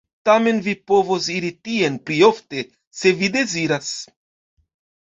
Tamen vi povos iri tien pli ofte, se vi deziras.